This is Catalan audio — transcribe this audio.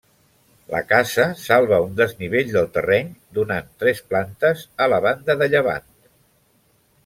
La casa salva un desnivell del terreny donant tres plantes a la banda de llevant.